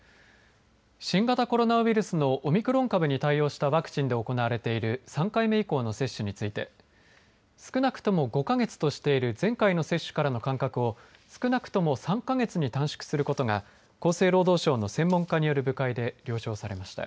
新型コロナウイルスのオミクロン株に対応したワクチンで行われている３回目以降の接種について少なくとも５か月としている前回の接種からの間隔を少なくとも３か月に短縮することが厚生労働省の専門家による部会で了承されました。